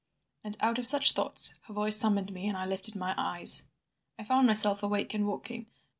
And out of such thoughts her voice summoned me, and I lifted my eyes. "I found myself awake and walking.